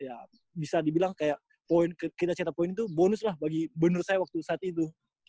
ya bisa dibilang kayak poin kita cetak poin itu bonus lah bagi bener saya waktu saat itu